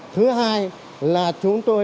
thứ hai là chúng tôi